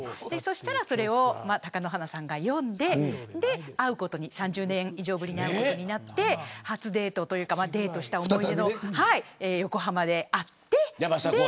したらそれを貴乃花さんが読んで３０年以上ぶりに会うことになって初デートというか思い出の横浜で会って。